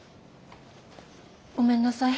ごめんなさい。